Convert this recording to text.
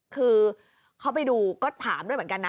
คือเขาไปดูก็ถามด้วยเหมือนกันนะ